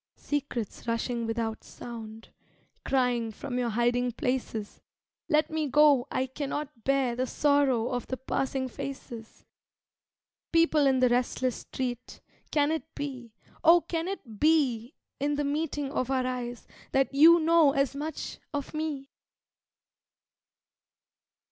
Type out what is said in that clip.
Secrets rushing without sound Crying from your hiding places Let me go, I cannot bear The sorrow of the passing faces. People in the restless street, Can it be, oh can it be In the meeting of our eyes That you know as much of me?